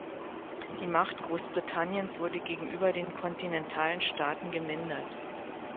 Die Macht Großbritanniens wurde gegenüber den kontinentalen Staaten gemindert.